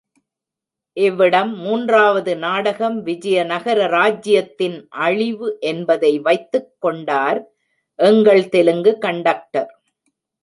இவ்விடம் மூன்றாவது நாடகம் விஜயநகர ராஜ்யத்தின் அழிவு என்பதை வைத்துக் கொண்டார் எங்கள் தெலுங்கு கண்டக்டர்.